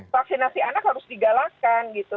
vaksinasi anak harus digalaskan gitu